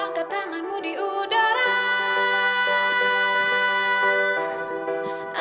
angkat tanganmu di udara